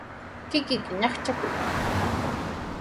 Kikiyki ñaqchakuy.